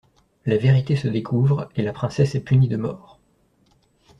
La vérité se découvre, et la princesse est punie de mort.